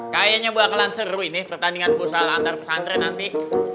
kayaknya bakalan seru ini pertandingan pusal antar pesantren nanti